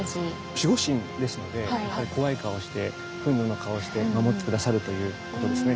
守護神ですのでやはり怖い顔をして憤怒の顔をして守って下さるということですね。